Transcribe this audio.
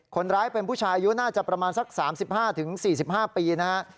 คนร้ายเป็นผู้ชายอายุน่าจะประมาณสัก๓๕๔๕ปีนะฮะ